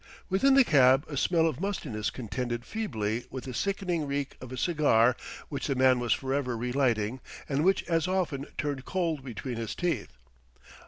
Within the cab a smell of mustiness contended feebly with the sickening reek of a cigar which the man was forever relighting and which as often turned cold between his teeth.